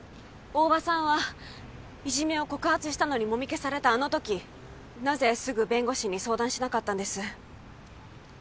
大庭さんはいじめを告発したのにもみ消されたあの時なぜすぐ弁護士に相談しなかったんです？